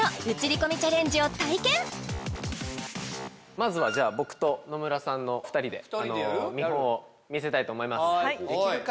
まずはじゃあ僕と野村さんの２人で見本を見せたいと思いますできるか？